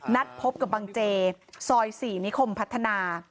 นัดพบกับบังเจซอย๔นิคมพัฒนา